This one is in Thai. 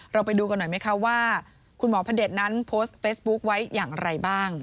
ไปดูกันหน่อยไหมคะว่าคุณหมอพระเด็จนั้นโพสต์เฟซบุ๊คไว้อย่างไรบ้าง